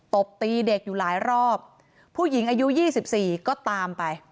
ตบตีเด็กอยู่หลายรอบผู้หญิงอายุ๒๔ก็ตามไป